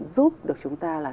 giúp được chúng ta là